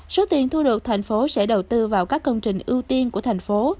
số tiền thu được thành phố sẽ đầu tư vào các công trình ưu tiên của thành phố